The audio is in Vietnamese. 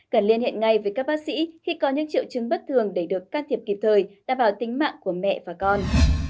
cần liên hệ ngay với các bác sĩ khi có những triệu chứng bất thường để được can thiệp kịp thời đảm bảo tính mạng của mẹ và con